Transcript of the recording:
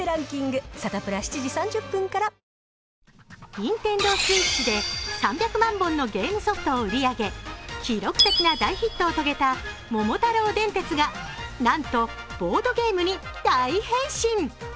ＮｉｎｔｅｎｄｏＳｗｉｔｃｈで３００万本のゲームソフトを売り上げ記録的な大ヒットを遂げた「桃太郎電鉄」がなんとボードゲームに大変身。